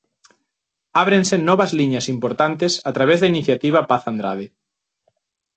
Ábrense novas liñas importantes a través da Iniciativa Paz Andrade.